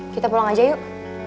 kita pulang aja yuk